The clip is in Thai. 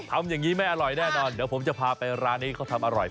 ทำอย่างนี้ไม่อร่อยแน่นอนเดี๋ยวผมจะพาไปร้านนี้เขาทำอร่อย